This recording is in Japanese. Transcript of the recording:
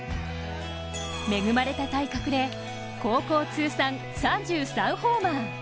恵まれた体格で高校通算３３ホーマー。